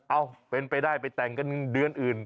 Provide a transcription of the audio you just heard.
เอ้าเป็นไปได้ไปแต่งกันเดือนอื่น